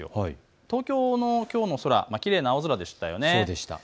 東京のきょうの空きれいな青空でしたよね。